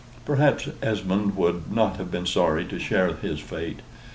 Perhaps Esmond would not have been sorry to share his fate.